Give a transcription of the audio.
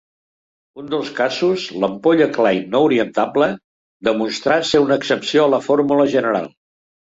Un dels casos, l'ampolla Klein no orientable, demostrà ser una excepció a la fórmula general.